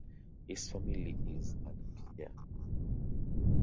His family is unclear.